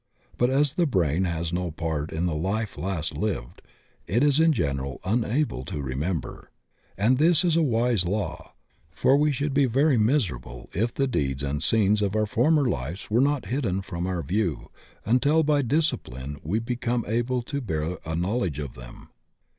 But as the brain had no part in the life last lived, it is in general imable to remember. And this is a wise law, for we should be very miserable if the deeds and scenes of our former lives were not hidden from our view until by discipline we become able to bear a knowledge of them.